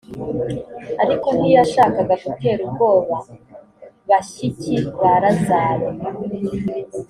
ariko ntiyashakaga gutera ubwoba bashyiki ba lazaro